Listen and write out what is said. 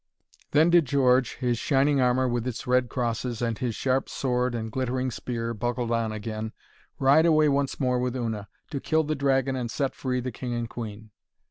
_' Then did George, his shining armour with its red crosses, and his sharp sword and glittering spear buckled on again, ride away once more with Una, to kill the dragon and set free the king and queen.